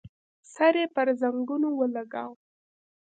سر يې پر زنګنو ولګاوه.